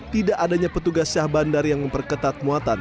tidak adanya petugas syah bandar yang memperketat muatan